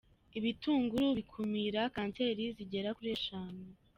Ibitunguru bikumira kanseri zigera kuri eshanu.